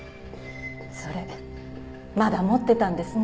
それまだ持ってたんですね。